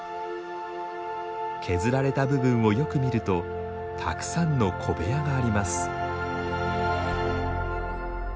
削られた部分をよく見るとたくさんの小部屋があります。